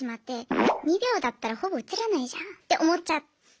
２秒だったらほぼ映らないじゃんって思っちゃって。